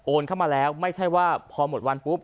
เข้ามาแล้วไม่ใช่ว่าพอหมดวันปุ๊บ